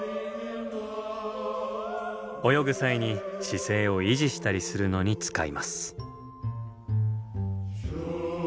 泳ぐ際に姿勢を維持したりするのに使います。